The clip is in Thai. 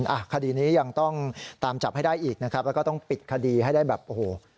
อ่ะคดีนี้ยังต้องตามจับให้ได้อีกนะครับแล้วก็ต้องปิดคดีให้ได้แบบโอ้โห